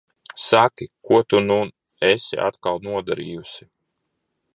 Saki, ko tu nu esi atkal nodarījusi?